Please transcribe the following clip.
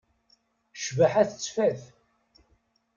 Ccbaḥa tettfat.